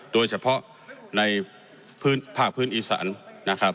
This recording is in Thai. โดยเฉพาะในพื้นภาคพื้นอีสานนะครับ